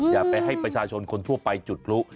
อยากให้ประชาชนคนทั่วไปจุดรู้